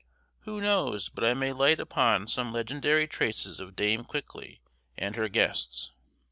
Who knows but I may light upon some legendary traces of Dame Quickly and her guests?